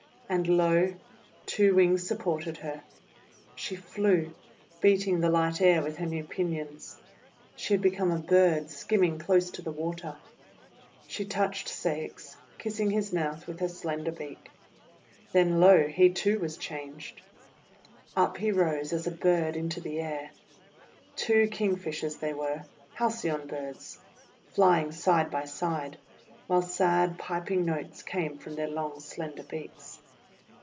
And, lo! two wings supported her. She flew, beating the light air with her new pinions. She had become a bird skimming close to the water. She touched Ceyx, kissing his mouth with her slender beak. Then, lo! he too was changed. Up he rose as a bird into the air. Two King fishers they were, — Halcyon Birds, — flying side by side, while sad, piping notes came from their long, slender beaks.